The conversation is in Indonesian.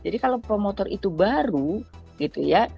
jadi kalau promotor itu baru gitu ya